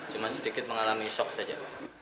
cuma sedikit mengalami shock saja